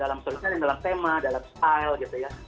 atau terobosan dalam tema dalam style gitu ya